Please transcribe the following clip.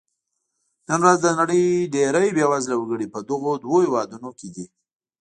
نن ورځ د نړۍ ډېری بېوزله وګړي په دغو دوو هېوادونو کې دي.